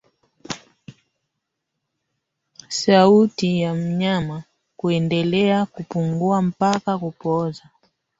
Sauti ya mnyama kuendelea kupungua mpaka kupooza